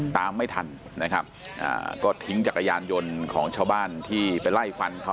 ตามไม่ทันนะครับอ่าก็ทิ้งจักรยานยนต์ของชาวบ้านที่ไปไล่ฟันเขา